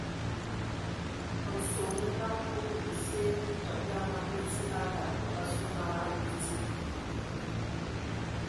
Nsom məlam o nə bisye bifəg ya man bəti a kad bɔ asu na abitsid.